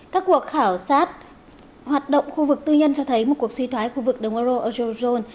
các cuộc khảo sát hoạt động khu vực tư nhân cho thấy một cuộc suy thoái khu vực đồng eurozone